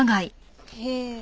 へえ。